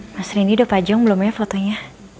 mas randy udah pajong belum ya fotonya